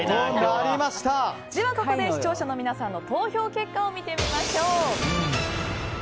ではここで視聴者の皆様の投票結果を見てみましょう。